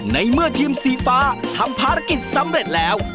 ในเมื่อทีมสีฟ้าทำภารกิจสำเร็จแล้ว